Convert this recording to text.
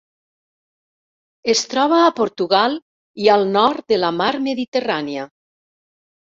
Es troba a Portugal i al nord de la Mar Mediterrània.